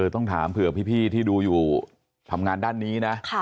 ต้องถามเผื่อพี่ที่ดูอยู่ทำงานด้านนี้นะ